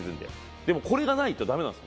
でもこれがないと駄目なんです。